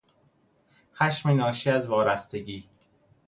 خشم ناشی از وارستگی